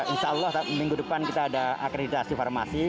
insya allah minggu depan kita ada akreditasi farmasi